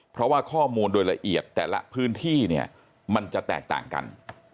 เพราะว่าข้อมูลโดยละเอียดแต่ละพื้นที่เนี่ยมันจะแตกต่างกัน